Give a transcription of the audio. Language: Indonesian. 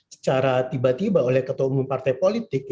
secara tiba tiba oleh ketua umum partai politik